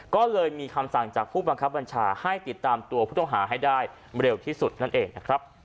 ก็เลยมีคำสั่งจากผู้บังคับบัญชาให้ติดตามตัวผู้ต้องหาให้ได้เร็วที่สุดนั่นเองนะครับ